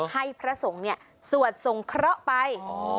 ให้พระสงฆ์เนี่ยสวดส่งเคราะห์ไป